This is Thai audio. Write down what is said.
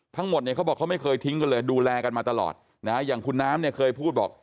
ทั้งหมดเนี่ยเขาบอกเขาไม่เคยทิ้งกันเลยดูแลกันมาตลอดนะอย่างคุณน้ำเนี่ยเคยพูดบอก